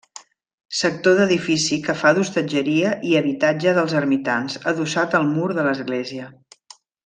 Sector d'edifici que fa d'hostatgeria i d'habitatge dels ermitans, adossat al mur de l'església.